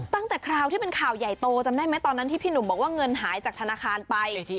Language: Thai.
คราวที่เป็นข่าวใหญ่โตจำได้ไหมตอนนั้นที่พี่หนุ่มบอกว่าเงินหายจากธนาคารไป